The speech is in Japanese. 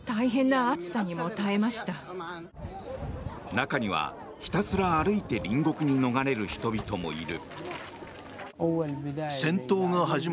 中には、ひたすら歩いて隣国に逃れる人々もいる。